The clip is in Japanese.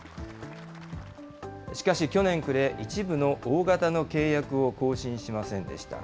しかし、去年暮れ、一部の大型の契約を更新しませんでした。